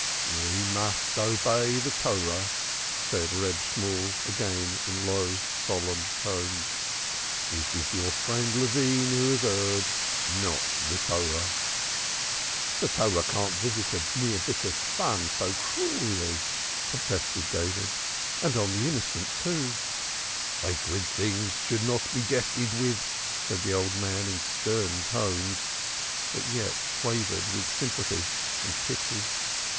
"We must obey the Torah," said Reb Shemuel again, in low, solemn tones. "It is your friend Levine who has erred, not the Torah." "The Torah cannot visit a mere bit of fun so cruelly," protested David. "And on the innocent, too." "Sacred things should not be jested with," said the old man in stern tones that yet quavered with sympathy and pity.